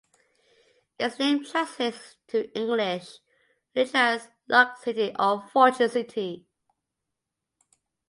Its name translates to English literally as "Luck City" or "Fortune City".